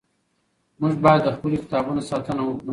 موږ باید د خپلو کتابونو ساتنه وکړو.